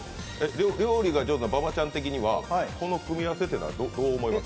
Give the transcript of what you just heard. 料理が上手な馬場ちゃん的にはこの組み合わせどう思います？